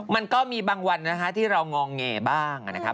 มันก็มีบางวันนะคะที่เรางอแงบ้างนะครับ